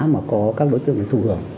mà có các lối tượng thù hưởng